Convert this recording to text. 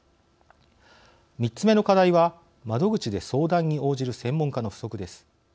３つ目の課題は窓口で相談に応じる専門家の不足です。